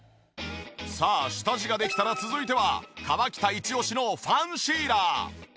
さあ下地ができたら続いては河北イチオシのファンシーラー。